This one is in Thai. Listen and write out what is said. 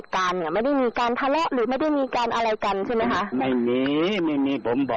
คุณผู้ชมไปฟังเสียงพร้อมกัน